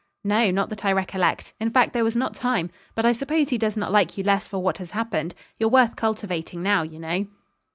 'No; not that I recollect in fact there was not time; but I suppose he does not like you less for what has happened; you're worth cultivating now, you know.'